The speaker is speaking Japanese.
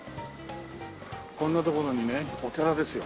こんな所にねお寺ですよ。